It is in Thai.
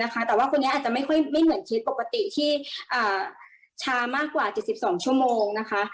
แต่ว่าคนนี้อาจจะไม่ค่อยไม่เหมือนคลิปปกติที่ช้ามากกว่า๗๒ชั่วโมงนะคะ